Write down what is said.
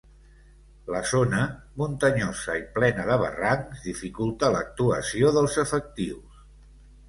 La zona, muntanyosa i plena de barrancs, dificulta l’actuació dels efectius.